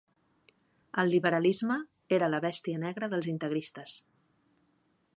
El liberalisme era la bèstia negra dels integristes.